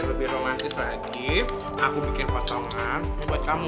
lebih romantis lagi aku bikin potongan buat kamu